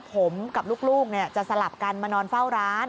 ผมกับลูกจะสลับกันมานอนเฝ้าร้าน